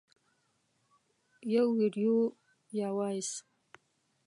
- یو ویډیو یا Voice 🎧